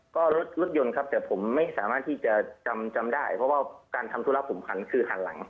ก็รถยนต์ครับแต่ผมไม่สามารถที่จะจำได้เพราะว่าการทำธุระผมหันคือหันหลัง